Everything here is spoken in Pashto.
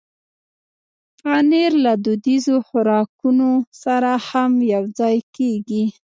پنېر له دودیزو خوراکونو سره هم یوځای کېږي.